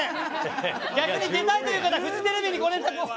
逆に出たいという方はフジテレビにご連絡を。